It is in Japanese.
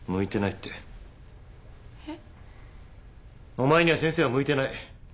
お前には先生は向いてない！